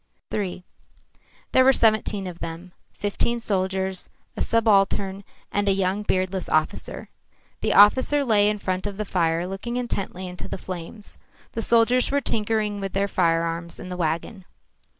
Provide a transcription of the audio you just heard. III There were seventeen of them, fifteen soldiers, a subaltern and a young beardless officer. The officer lay in front of the fire looking intently into the flames. The soldiers were tinkering with the firearms in the wagon.